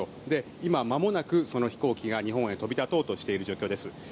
今、間もなくその飛行機が日本へ飛び立とうとしている状況です。